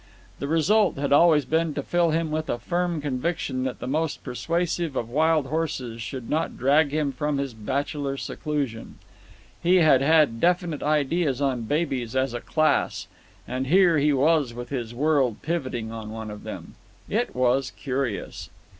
The result had always been to fill him with a firm conviction that the most persuasive of wild horses should not drag him from his bachelor seclusion. He had had definite ideas on babies as a class. And here he was with his world pivoting on one of them. It was curious.